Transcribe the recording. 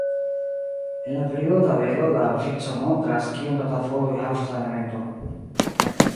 En la perioda tabelo, la vico montras, kiom da tavoloj havas la elemento.